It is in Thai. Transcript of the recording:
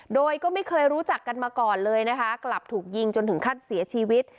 โดยก็ไม่เคยรู้จักกันมาก่อนเลยนะคะกลับถูกยิงจนถึงขั้นเสียชีวิต